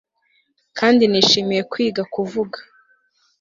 kandi nishimiye kwiga kuvuga